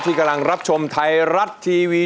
กำลังรับชมไทยรัฐทีวี